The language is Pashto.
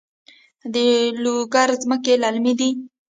د لوګر ځمکې للمي دي